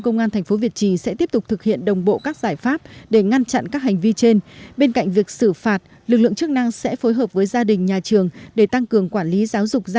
công an tp việt trì sẽ tiếp tục thực hiện đồng bộ các giải pháp để ngăn chặn các hành vi trên bên cạnh việc xử phạt lực lượng chức năng sẽ phối hợp với gia đình nhà trường để tăng cường quản lý giáo dục gia